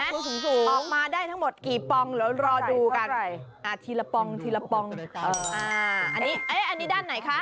เห็นไหมออกมาได้ทั้งหมดกี่ปองแล้วรอดูกันอาทีละปองอันนี้ด้านไหนคะ